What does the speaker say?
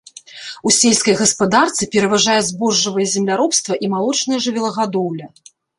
У сельскай гаспадарцы пераважае збожжавае земляробства і малочная жывёлагадоўля.